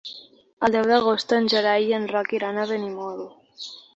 El deu d'agost en Gerai i en Roc iran a Benimodo.